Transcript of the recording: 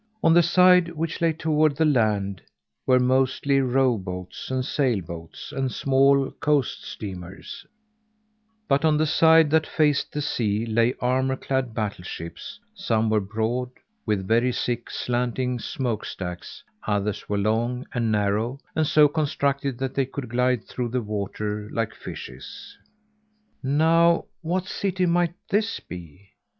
On the side which lay toward the land were mostly row boats and sailboats and small coast steamers; but on the side that faced the sea lay armour clad battleships; some were broad, with very thick, slanting smokestacks; others were long and narrow, and so constructed that they could glide through the water like fishes. Now what city might this be?